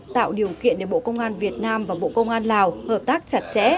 tạo điều kiện để bộ công an việt nam và bộ công an lào hợp tác chặt chẽ